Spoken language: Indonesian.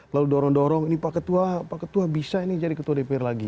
lalu dorong dorong ini pak ketua pak ketua bisa ini jadi ketua dpr lagi